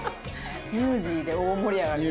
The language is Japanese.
ニュージーで大盛り上がり。